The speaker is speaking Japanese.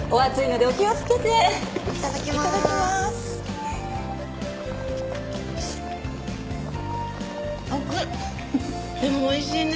でもおいしいね。